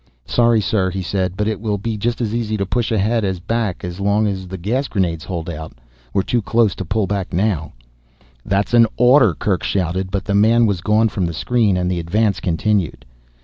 "Sorry, sir," he said, "but it will be just as easy to push ahead as back as long as the gas grenades hold out. We're too close now to pull back." "That's an order," Kerk shouted, but the man was gone from the screen and the advance continued.